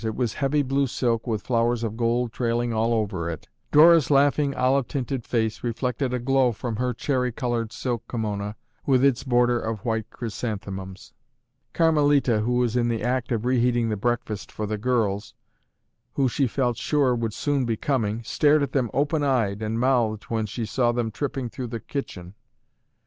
It was heavy blue silk with flowers of gold trailing all over it. Dora's laughing, olive tinted face reflected a glow from her cherry colored silk kimona with its border of white chrysanthemums. Carmelita, who was in the act of reheating the breakfast for the girls, who she felt sure would soon be coming, stared at them open eyed and mouthed when she saw them tripping through the kitchen.